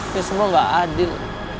ini semua gak adil